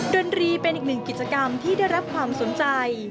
ดนตรีเป็นอีกหนึ่งกิจกรรมที่ได้รับความสนใจ